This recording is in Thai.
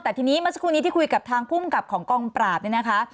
แต่ทีนี้เมื่อสักครู่นี้ที่คุยกับทางภูมิกับของกองปราบเนี่ยนะคะ